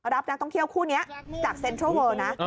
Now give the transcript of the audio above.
รับนักท่องเที่ยวคู่นี้จากเซ็นทรัลเวิลนะ